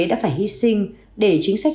đã phải hy sinh để chính sách